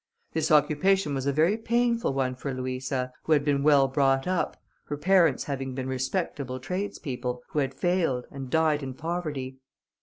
This occupation was a very painful one for Louisa, who had been well brought up, her parents having been respectable tradespeople, who had failed, and died in poverty.